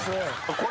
これ。